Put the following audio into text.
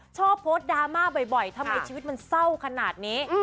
ชอบโพสต์ดราม่าบ่อยทำไมชีวิตมันเศร้าขนาดนี้